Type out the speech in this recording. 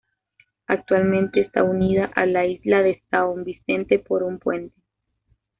Actualmente está unida a la isla de São Vicente por un puente.